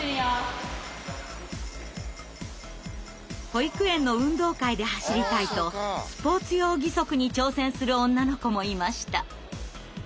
保育園の運動会で走りたいとスポーツ用義足に挑戦する女の子もいました。